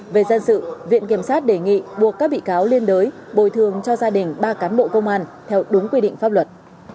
về dân sự viện kiểm sát đề nghị buộc các bị cáo liên đới bồi thường cho gia đình ba cán bộ công an theo đúng quy định pháp luật